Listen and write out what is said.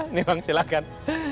ini bang silahkan